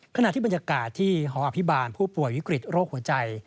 ขณะที่บรรยากาศที่หออภิบาลผู้ป่วยวิกฤตโรคหัวใจ